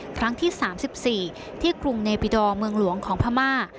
ครั้งที่๓๔ที่กรุงเนบิดอร์เมืองหลวงของพม่า